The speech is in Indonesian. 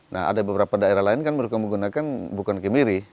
nah ada beberapa daerah lain kan mereka menggunakan bukan kemiri